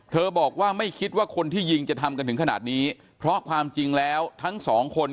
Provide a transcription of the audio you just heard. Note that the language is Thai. บอกว่าไม่คิดว่าคนที่ยิงจะทำกันถึงขนาดนี้เพราะความจริงแล้วทั้งสองคน